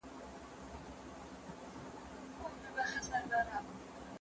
په ځیني موضوعاتو کي تفصيلي نه ځم.